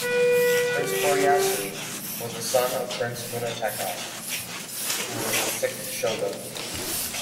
Prince Koreyasu was the son of Prince Munetaka who was the sixth shogun.